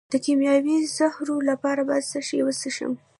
د کیمیاوي زهرو لپاره باید څه شی وڅښم؟